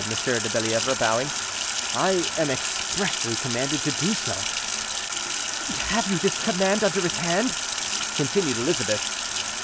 de Bellievre, bowing; "I am expressly commanded to do so." "And have you this command under his hand?" continued Elizabeth.